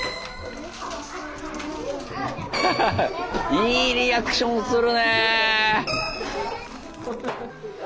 いいリアクションするね！